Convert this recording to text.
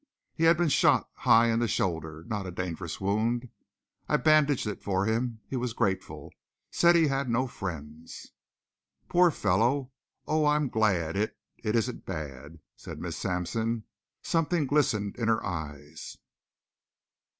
He had been shot high in the shoulder, not a dangerous wound. I bandaged it for him. He was grateful said he had no friends." "Poor fellow! Oh, I'm glad it it isn't bad," said Miss Sampson. Something glistened in her eyes.